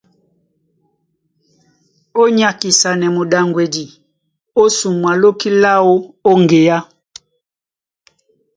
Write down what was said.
Ó nyákisanɛ muɗaŋgwedi ó sumwa lóki láō ó ŋgeá.